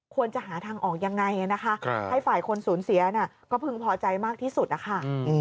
ควรจะหาทางออกยังไงนะคะให้ฝ่ายคนสูญเสียก็พึงพอใจมากที่สุดนะคะ